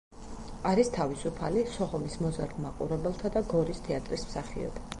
არის თავისუფალი, სოხუმის მოზარდ-მაყურებელთა და გორის თეატრის მსახიობი.